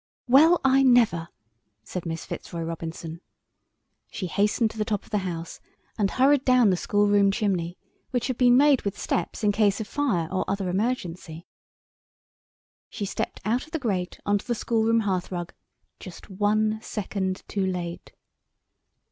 "Well, I never!" said Miss Fitzroy Robinson. She hastened to the top of the house and hurried down the schoolroom chimney, which had been made with steps, in case of fire or other emergency. She stepped out of the grate on to the schoolroom hearthrug just one second too late.